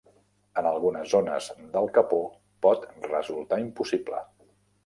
En algunes zones del capó pot resultar impossible.